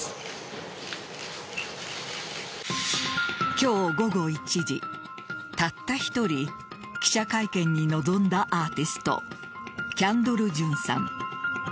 今日午後１時、たった１人記者会見に臨んだアーティストキャンドル・ジュンさん。